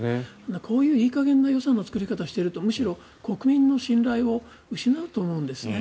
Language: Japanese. こういういい加減な予算の作り方をしているとむしろ国民の信頼を失うと思うんですね。